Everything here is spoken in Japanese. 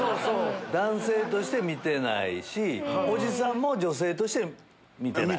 男性として見てないしおじさんも女性として見てない。